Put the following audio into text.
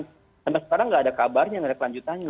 sampai sekarang tidak ada kabarnya tidak ada kelanjutannya